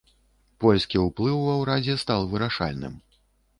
Польскі ўплыў ва ўрадзе стаў вырашальным.